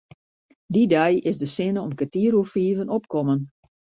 Dy dei is de sinne om kertier oer fiven opkommen.